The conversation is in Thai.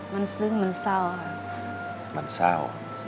มันซึ้งมันเศร้า